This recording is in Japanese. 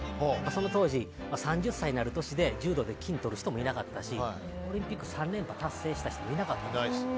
その当時、３０歳になる年で柔道で金とる人もいなかったしオリンピック３連覇達成した人もいなかったんですね。